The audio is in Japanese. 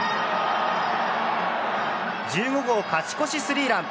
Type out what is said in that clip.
１５号勝ち越しスリーラン。